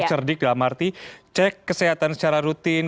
cerdik dalam arti cek kesehatan secara rutin